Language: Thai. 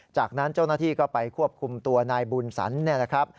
จากนั้นเจ้าหน้าที่ก็ไปควบคุมตัวนายบุญสันเนี่ยนะครับ